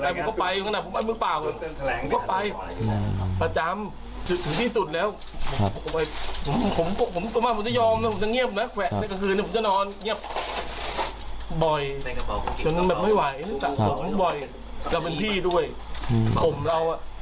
บ่อยจนก็แบบไม่ไหวแต่ผมบ่อยแล้วเป็นพี่ด้วยผมเอาอ่ะ